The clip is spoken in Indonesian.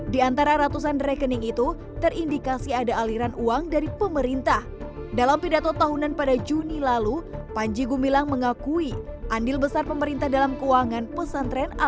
di antara ratusan rekening itu terindikasi ada aliran uang dari pemerintah dalam pidato tahunan pada juni lalu panji gumilang mengakui andil besar pemerintah dalam keuangan pesantren